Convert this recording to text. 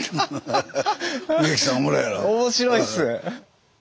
面白いっす。